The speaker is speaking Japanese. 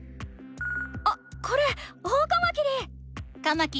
あっこれオオカマキリ！